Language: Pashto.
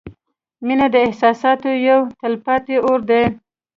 • مینه د احساساتو یو تلپاتې اور دی.